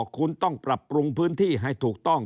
คุณต้องปรับปรุงพื้นที่ให้ถูกต้อง